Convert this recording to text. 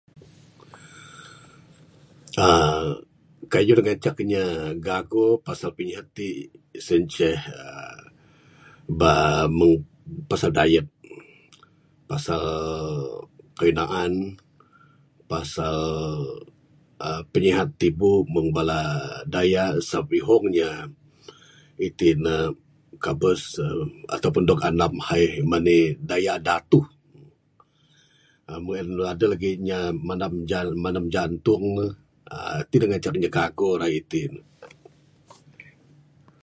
aaa kayuh da ngancak inya gago pasal penyihat ti, sien ceh [ar] ba mung pasal diet. Pasal kayuh naan, pasal [aaa]penyihat tibu, mung bala dayak sbab ihong inya iti'k ne kabus eee atau pun dog kandam high, mani'k daya datuh. Mung en aduh lagik nya madam, madam jantung. aaa, ti da ngancak inya gago rayu ti ne.